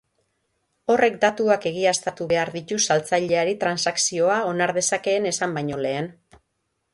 Horrek datuak egiaztatu behar ditu saltzaileari transakzioa onar dezakeen esan baino lehen.